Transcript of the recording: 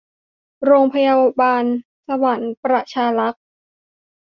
โรงพยาบาลสวรรค์ประชารักษ์